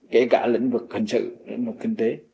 kể cả lĩnh vực hình sự lĩnh vực kinh tế